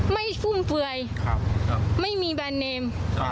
ฟุ่มเฟือยไม่มีแบรนด์เนม